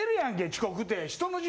遅刻って。